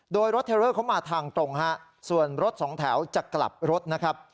โดยรถเทรอร์มาทางตรงส่วนรถสองแถวจัดกลับรถนะครับ